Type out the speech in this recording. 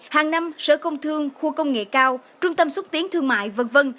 hàng năm sở công thương khu công nghệ cao trung tâm xúc tiến thương mại v v